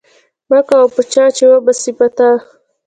مکوه په چاه چې و به سي په تا.